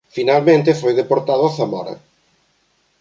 Finalmente foi deportado a Zamora.